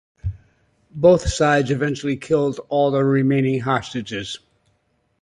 Both sides eventually killed all their remaining hostages.